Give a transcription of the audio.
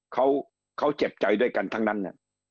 เขาเจ็บใจด้วยกันทั้งนั้น